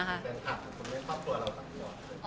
แฟนคลับของคุณไม่ควรเราอะไรไง